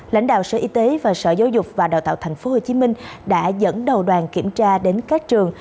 lãnh đạo sở y tế và sở giáo dục và đào tạo tp hcm đã dẫn đầu đoàn kiểm tra đến các trường